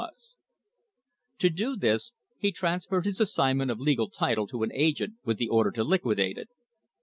CONCLUSION To do this he transferred his assignment of legal title to an agent with the order to liquidate it.